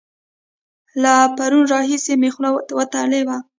له پرونه راهسې مې خوله وتلې ده.